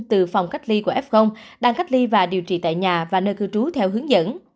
từ phòng cách ly của f đang cách ly và điều trị tại nhà và nơi cư trú theo hướng dẫn